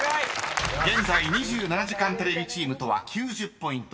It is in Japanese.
［現在２７時間テレビチームとは９０ポイント差］